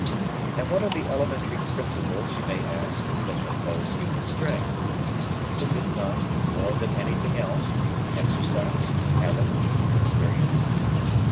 And what are the elementary principles, we may ask, that compose human strength? Is it not more than anything else exercise, habit, experience?